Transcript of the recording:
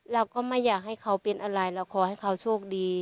เราก็ไม่อยากให้เขาเป็นอะไรเราขอให้เขาโชคดี